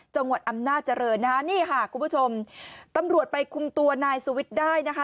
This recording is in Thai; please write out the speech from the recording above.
จังหวัดอำนาจริงนะฮะนี่ค่ะคุณผู้ชมตำรวจไปคุมตัวนายสุวิทย์ได้นะคะ